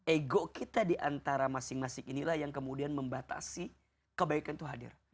ego kita diantara masing masing inilah yang kemudian membatasi kebaikan itu hadir